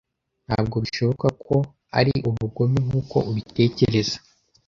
Ntabwo bishoboka ko ari ubugome nkuko ubitekereza.